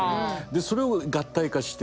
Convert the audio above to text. それを合体化してる。